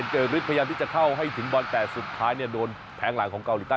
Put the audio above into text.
เจอฤทธิพยายามที่จะเข้าให้ถึงบอลแต่สุดท้ายเนี่ยโดนแทงหลังของเกาหลีใต้